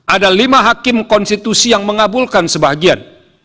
ada lima hakim konstitusi yang mengabulkan sebagian